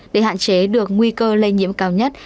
để hạn chế được nguy cơ lây nhiễm cao nhất